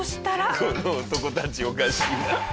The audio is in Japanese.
この男たちおかしいな。